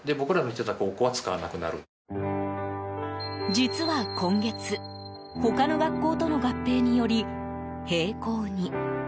実は今月他の学校との合併により閉校に。